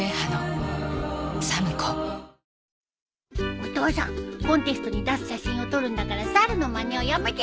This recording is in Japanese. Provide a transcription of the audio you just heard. お父さんコンテストに出す写真を撮るんだからサルのまねはやめて！